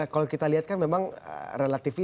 kalau kita lihat kan memang relatif